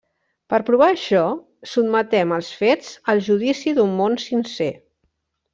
Per provar això, sotmetem els Fets al judici d'un món sincer.